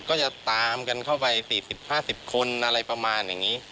ก็ัจะตามกันเข้าไป๔๐๕๐คนในนั้น